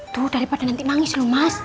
tuh daripada nanti nangis loh mas